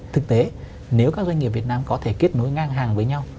thực tế nếu các doanh nghiệp việt nam có thể kết nối ngang hàng với nhau